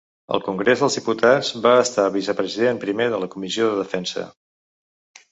Al Congrés dels Diputats va estar vicepresident Primer de la Comissió de Defensa.